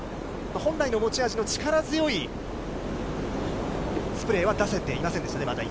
本来の波の力強いスプレーは出せていませんでしたね、まだ今。